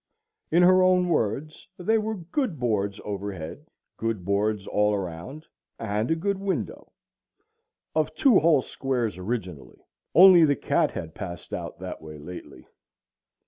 In her own words, they were "good boards overhead, good boards all around, and a good window,"—of two whole squares originally, only the cat had passed out that way lately.